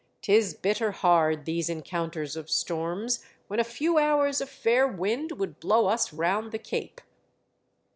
'Tis bitter hard, these encounters of storms, when a few hours of fair wind would blow us round the Cape."